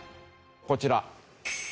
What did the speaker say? こちら。